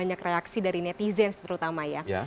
banyak reaksi dari netizen terutama ya